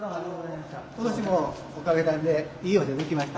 今年もおかげさんでいいお茶できました。